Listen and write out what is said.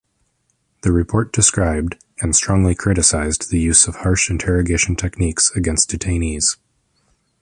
The report described, and strongly criticized the use of harsh interrogation techniques against detainees.